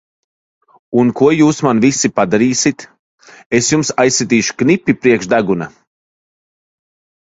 Un ko jūs man visi padarīsit! Es jums aizsitīšu knipi priekš deguna!